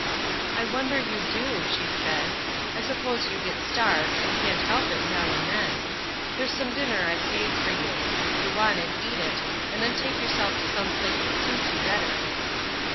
"I wonder you do," she said. "I suppose you get starved, and can't help it, now and then. There's some dinner I saved for you. If you want it, eat it, and then take yourself to some place that suits you better."